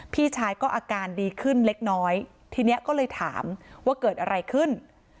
พี่ชายก็อาการดีขึ้นเล็กน้อยทีนี้ก็เลยถามว่าเกิดอะไรขึ้น